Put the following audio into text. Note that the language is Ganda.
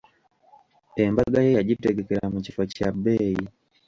Embaga ye yagitegekera mu kifo kya bbeeyi.